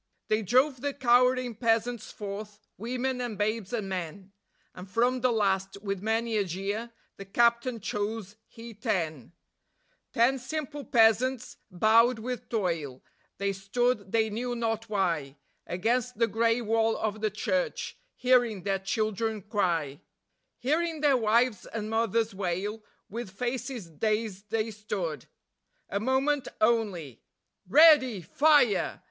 They drove the cowering peasants forth, women and babes and men, And from the last, with many a jeer, the Captain chose he ten; Ten simple peasants, bowed with toil; they stood, they knew not why, Against the grey wall of the church, hearing their children cry; Hearing their wives and mothers wail, with faces dazed they stood. A moment only. ... _READY! FIRE!